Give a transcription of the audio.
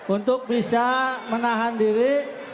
untuk bisa menahan diri